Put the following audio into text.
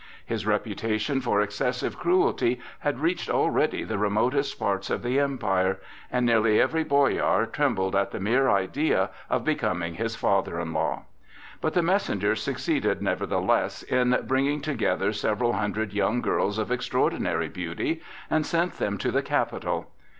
His reputation for excessive cruelty had reached already the remotest parts of the Empire, and nearly every boyar trembled at the mere idea of becoming his father in law. But the messenger succeeded nevertheless in bringing together several hundred young girls of extraordinary beauty, and sent them to the capital.